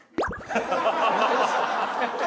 ハハハハ！